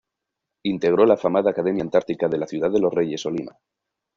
Integró la afamada Academia Antártica de la Ciudad de los Reyes o Lima.